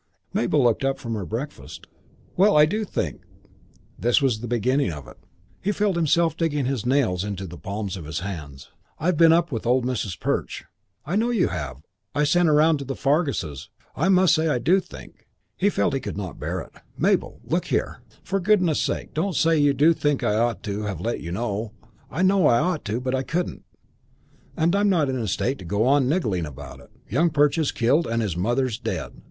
Mabel looked up from her breakfast. "Well, I do think " This was the beginning of it. He felt himself digging his nails into the palms of his hands. "I've been up with old Mrs. Perch " "I know you have. I sent around to the Farguses. I must say I do think " He felt he could not bear it. "Mabel, look here. For goodness' sake don't say you do think I ought to have let you know. I know I ought but I couldn't. And I'm not in a state to go on niggling about it. Young Perch is killed and his mother's dead.